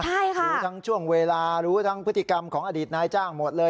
ใช่ค่ะรู้ทั้งช่วงเวลารู้ทั้งพฤติกรรมของอดีตนายจ้างหมดเลย